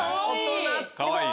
かわいい。